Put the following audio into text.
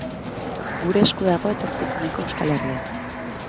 Gure esku dago etorkizuneko Euskal Herria.